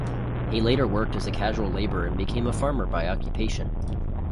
He later worked as a casual laborer and became a farmer by occupation.